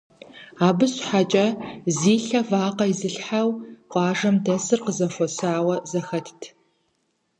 Абы щхьэкӀэ зи лъэ вакъэ изылъхьэу къуажэм дэсыр къызэхуэсауэ зэхэтт.